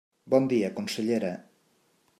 Bon dia, consellera.